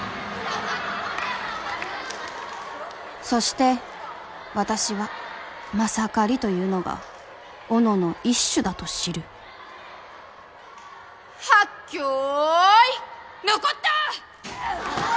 そして私は「まさかり」というのが斧の一種だと知るはっけよいのこった！